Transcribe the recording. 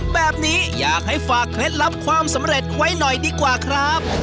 แบบนี้อยากให้ฝากเคล็ดลับความสำเร็จไว้หน่อยดีกว่าครับ